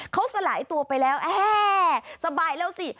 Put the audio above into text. เขาสลายตัวไปแล้วเอ๊ะสบายแล้วสิ